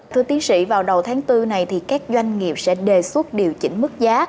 thưa tiến sĩ vào đầu tháng bốn này các doanh nghiệp sẽ đề xuất điều chỉnh mức giá